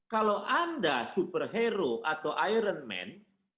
kalau anda superhero atau ironman